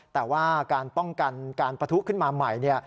แต่ว่าการป้องกันการปะทุขึ้นมาใหม่